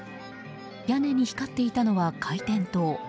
屋根に光っていたのは回転灯。